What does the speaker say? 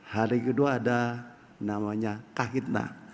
hari kedua ada namanya kahitna